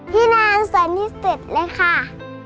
พี่แนนสวยที่สุดเลยค่ะ